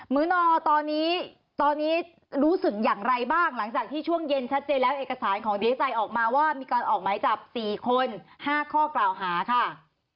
ื้อนอตอนนี้ตอนนี้รู้สึกอย่างไรบ้างหลังจากที่ช่วงเย็นชัดเจนแล้วเอกสารของดีเอใจออกมาว่ามีการออกหมายจับ๔คน๕ข้อกล่าวหาค่ะ